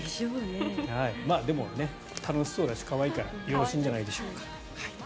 でも、楽しそうだし可愛いからよろしいんじゃないでしょうか。